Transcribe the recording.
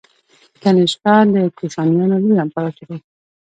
کنیشکا د کوشانیانو لوی امپراتور و